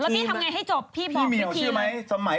แล้วพี่ทำอย่างไรให้จบพี่บอกพี่เลยพี่มีของชื่อไหม